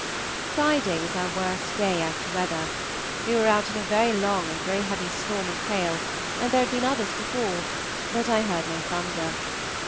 Friday was our worst day as to weather. We were out in a very long and very heavy storm of hail, and there had been others before, but I heard no thunder.